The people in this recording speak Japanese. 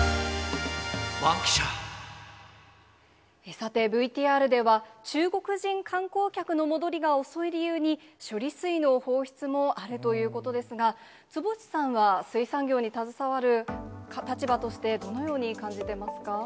さて、ＶＴＲでは、中国人観光客の戻りが遅い理由に、処理水の放出もあるということですが、坪内さんは、水産業に携わる立場として、どのように感じてますか？